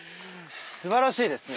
すばらしいですね。